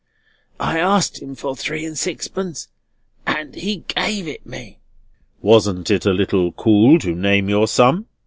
I asked him for three and sixpence, and he gave it me." "Wasn't it a little cool to name your sum?"